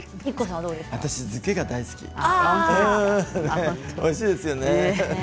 私は漬けが大好きおいしいですよね。